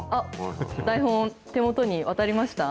台本、手元に渡りました？